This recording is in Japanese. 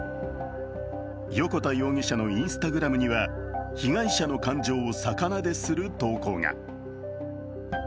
横田容疑者のＩｎｓｔａｇｒａｍには、被害者の感情を逆なでする投稿が。